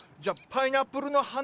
パイナップルの花